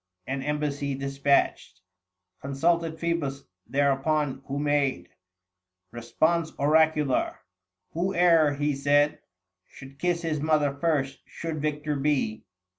An embassy despatched Consulted Phoebus thereupon ; who made 765 Response oracular :" Whoe'er," he said, " Should kiss his mother first, should victor be."